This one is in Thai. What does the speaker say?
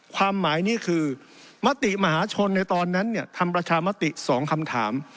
ความหมายนี้คือมติมหาชนในตอนนั้นเนี่ยทำประชามติ๒คำถาม